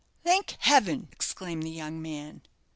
"Thank Heaven!" exclaimed the young man.